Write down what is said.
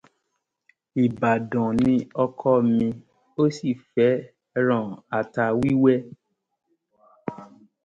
Ìbàdàn ní ọkọ mi ó sì fẹ́ràn ata wíwẹ́.